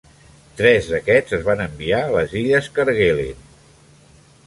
Tres d'aquests es van enviar a les illes Kerguelen.